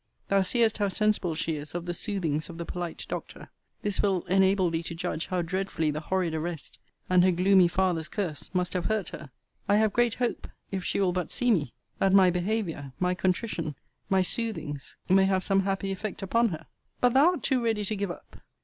Thou seest how sensible she is of the soothings of the polite doctor: this will enable thee to judge how dreadfully the horrid arrest, and her gloomy father's curse, must have hurt her. I have great hope, if she will but see me, that my behaviour, my contrition, my soothings, may have some happy effect upon her. But thou art too ready to give up.